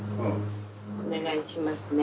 お願いしますね。